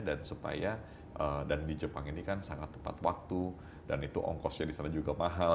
dan supaya dan di jepang ini kan sangat tepat waktu dan itu ongkosnya disana juga mahal